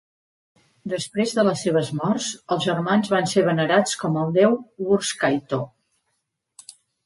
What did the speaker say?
Després de les seves morts, els germans van ser venerats com el déu Wurskaito.